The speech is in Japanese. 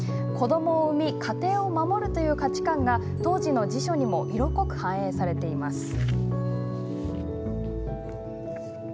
子どもを産み、家庭を守るという価値観が当時の辞書にも色濃く反映されています。